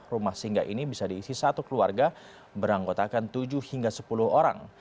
rumah singgah ini bisa diisi satu keluarga beranggotakan tujuh hingga sepuluh orang